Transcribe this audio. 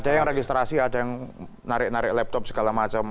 ada yang registrasi ada yang narik narik laptop segala macam